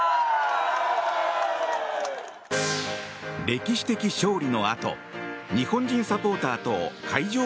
歴史的勝利のあと日本人サポーターと会場